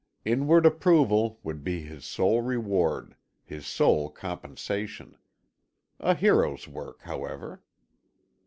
Inward approval would be his sole reward, his sole compensation. A hero's work, however.